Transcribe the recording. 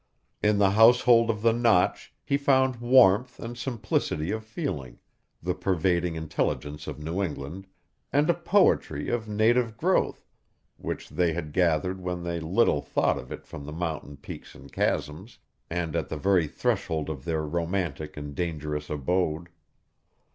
In the household of the Notch he found warmth and simplicity of feeling, the pervading intelligence of New England, and a poetry of native growth, which they had gathered when they little thought of it from the mountain peaks and chasms, and at the very threshold of their romantic and dangerous abode.